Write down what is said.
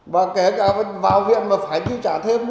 và kể cả vào viện mà phải trả thêm